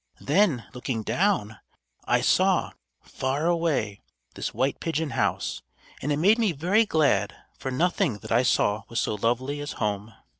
Then, looking down, I saw, far away, this white pigeon house; and it made me very glad, for nothing that I saw was so lovely as home."